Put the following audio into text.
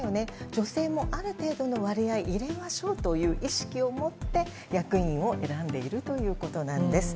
女性もある程度の割合を入れましょうという意識をもって役員を選んでいるということです。